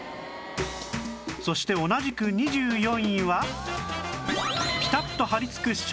そして同じく２４位は